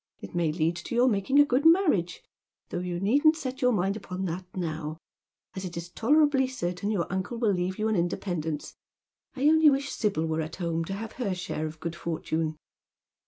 It may lead to your making a good marriage, though you needn't set your mind upon that now, as it is tolerably certain your uncle will leave you an independence. I only wish Sibyl were at home to have her share of good fortune."